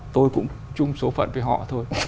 tôi cũng chung số phận với họ thôi